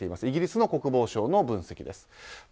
イギリスの国防省の分析です。